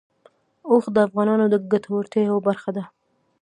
اوښ د افغانانو د ګټورتیا یوه برخه ده.